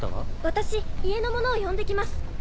私家の者を呼んで来ます。